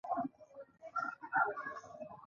دوی په بشپړه توګه له سیاست څخه وځي.